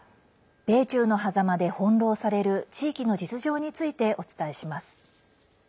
米中のはざまで翻弄される地域の実情についてお伝えします。